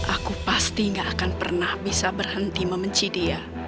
aku pasti gak akan pernah bisa berhenti membenci dia